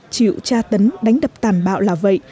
chịu tra tấn đánh đập tàn bạo là vậy